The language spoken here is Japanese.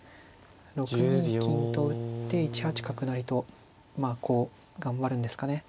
６二金と打って１八角成とまあこう頑張るんですかね。